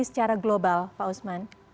secara global pak osman